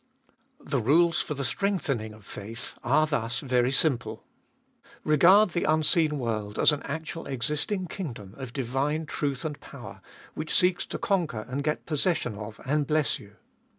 2. The rules for the strengthening of faith are thus very simple. Regard the unseen world as an actually existing kingdom of divine truth and power, which seeks to conquer and get possession of and bless you.